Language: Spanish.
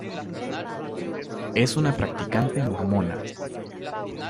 Es una practicante mormona.